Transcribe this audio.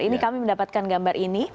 ini kami mendapatkan gambar ini